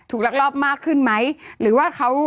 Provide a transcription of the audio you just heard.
รักรอบมากขึ้นไหมหรือว่าเขา